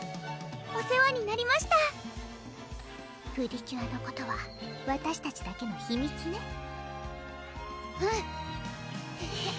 お世話になりましたプリキュアのことはわたしたちだけの秘密ねうん！